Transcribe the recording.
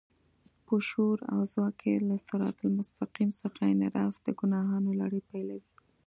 په شعور او ځواک کې له صراط المستقيم څخه انحراف د ګناهونو لړۍ پيلوي.